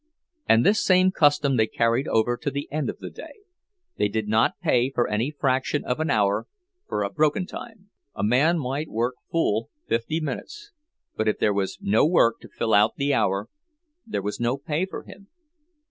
And this same custom they carried over to the end of the day; they did not pay for any fraction of an hour—for "broken time." A man might work full fifty minutes, but if there was no work to fill out the hour, there was no pay for him.